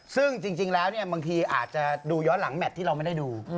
ซึ่งจริงแล้วบางทีอาจจะดูย้อนหลังแมทที่เราไม่ได้ดู